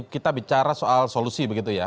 kita bicara soal solusi begitu ya